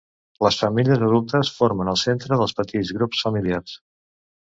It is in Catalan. Les femelles adultes formen el centre dels petits grups familiars.